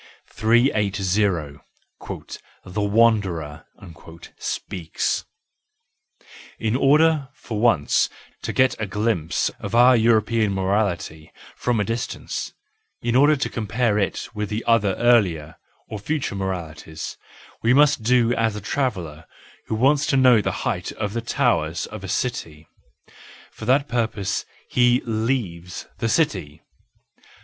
... 380. u The Wanderer " Speaks .—In order for once to get a glimpse of our European morality from a distance, in order to compare it with other earlier or future moralities, one must do as the traveller who wants to know the height of the towers of a city: for that purpose he leaves the city.